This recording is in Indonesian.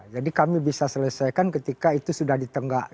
jadi kami bisa selesaikan ketika itu sudah di tenggak